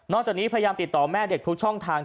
จากนี้พยายามติดต่อแม่เด็กทุกช่องทาง